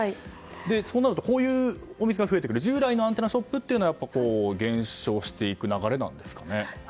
こういうお店が増えると従来のアンテナショップは減少していく流れなんですかね。